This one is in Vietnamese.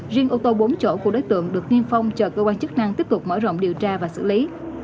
riêng ô tô bốn chỗ của đối tượng được tiên phong chờ cơ quan chức năng tiếp tục mở rộng điều tra và xử lý